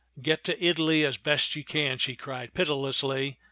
" Get to Italy as best you can," she cried pitilessly.